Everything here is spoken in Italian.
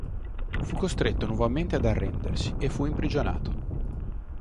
Fu costretto nuovamente ad arrendersi e fu imprigionato.